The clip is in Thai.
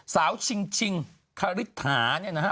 สาวชิงชิงคาริถาเนี่ยนะฮะ